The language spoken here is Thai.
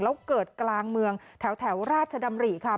แล้วเกิดกลางเมืองแถวราชดำริค่ะ